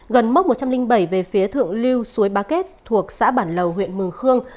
gần mốc một trăm linh bảy về phía thượng lưu suối bà kết thuộc xã bản lầu huyện mường khương